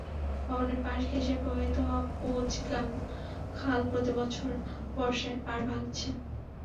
ভবনের পাশ ঘেঁষে প্রবাহিত হওয়া পূজগাঙ খাল প্রতিবছর বর্ষায় পাড় ভাঙছে।